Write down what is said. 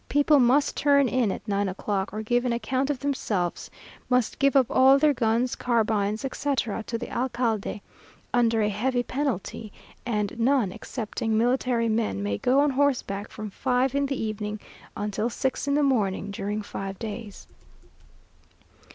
People must turn in at nine o'clock, or give an account of themselves must give up all their guns, carbines, etc., to the alcalde, under a heavy penalty; and none, excepting military men, may go on horseback from five in the evening until six in the morning, during five days.